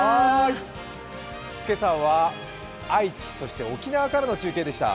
今朝は愛知、そして沖縄からの中継でした。